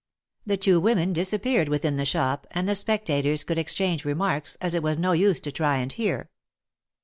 The two women disappeared within the shop, and the spectators could exchange remarks, as it was no use to try and hear.